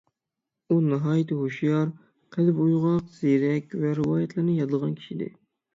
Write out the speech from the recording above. ئۇ ناھايىتى ھوشيار، قەلبى ئويغاق، زېرەك ۋە رىۋايەتلەرنى يادلىغان كىشى ئىدى.